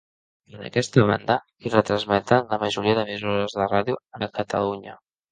En aquesta banda hi retransmeten la majoria d'emissores de ràdio a Catalunya.